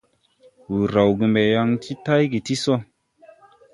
Wūr raw ge mbe yaŋ ti tayge tii so.